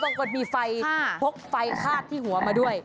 บางคนมีไฟพกไฟคาดที่หัวมาด้วย